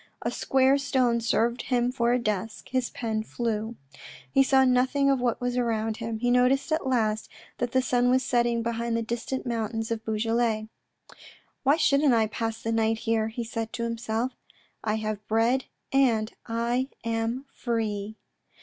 A square stone served him for a desk ; his pen flew. He saw nothing of what was around him. He noticed at last that the sun was setting behind the distant mountains of Beaujolais. " Why shouldn't I pass the night here ?" he said to himself. " I have bread, and I am free."